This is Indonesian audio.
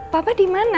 papa di mana